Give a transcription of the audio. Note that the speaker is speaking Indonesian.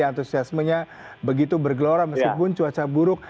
antusiasmenya begitu bergelora meskipun cuaca buruk